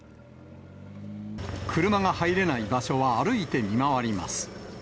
車が入れない場所は、歩いて見回